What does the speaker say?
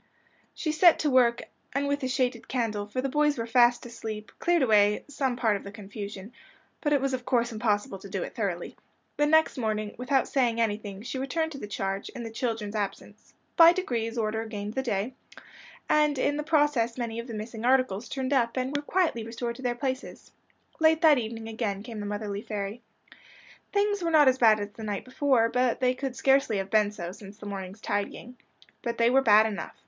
She set to work, and with a shaded candle, for the boys were fast asleep, cleared away some part of the confusion. But it was of course impossible to do it thoroughly. The next morning, without saying anything, she returned to the charge, in the children's absence. By degrees order gained the day, and in the process many of the missing articles turned up, and were quietly restored to their places. Late that evening again came the motherly fairy. Things were not as bad as the night before they could scarcely have been so, since the morning's tidying. But they were bad enough.